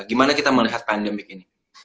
gimana kita melihat pandemik ini